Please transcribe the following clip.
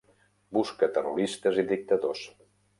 Busca terroristes i dictadors.